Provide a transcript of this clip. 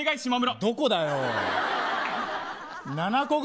どこだよ。